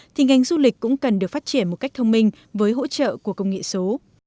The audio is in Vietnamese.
thì ngành du lịch cũng cần được phát triển một cách thông minh với hỗ trợ của công nghệ số